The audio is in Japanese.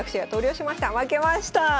負けました！